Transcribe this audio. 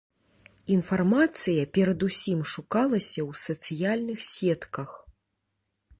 Інфармацыя перадусім шукалася ў сацыяльных сетках.